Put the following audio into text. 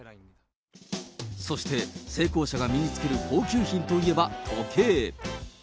そして、成功者が身につける高級品といえば時計。